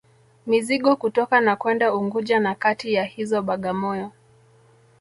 Mizigo kutoka na kwenda Unguja na kati ya hizo Bagamoyo